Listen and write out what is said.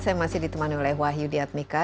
saya masih ditemani oleh wahyu diadmika